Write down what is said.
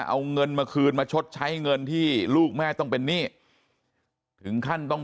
เอาเงินมาคืนมาชดใช้เงินที่ลูกแม่ต้องเป็นหนี้ถึงขั้นต้อง